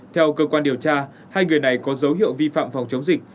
theo cơ quan điều tra hai người này có dấu hiệu vi phạm phòng chống dịch